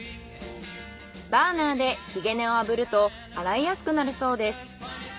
バーナーでひげ根を炙ると洗いやすくなるそうです。